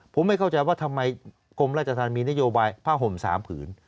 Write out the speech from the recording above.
ผมไม่เข้าใจว่าทำไมคมรัฐธรรมีนโยบายพระห่มสามผืน